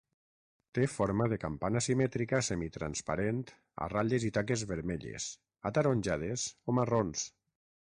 Té forma de campana simètrica semitransparent a ratlles i taques vermelles, ataronjades o marrons.